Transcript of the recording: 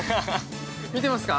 見てますか。